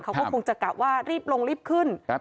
เขาก็คงจะกะว่ารีบลงรีบขึ้น